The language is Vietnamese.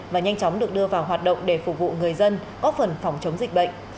và nhanh chóng được đưa vào hoạt động để phục vụ người dân góp phần phòng chống dịch bệnh